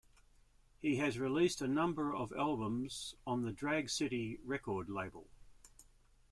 He has released a number of albums on the Drag City record label.